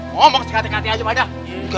ngomong sih hati hati aja pak jah